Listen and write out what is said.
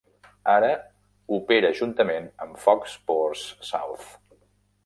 Ara opera juntament amb Fox Sports South.